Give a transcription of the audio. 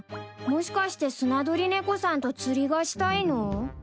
もしかしてスナドリネコさんと釣りがしたいの？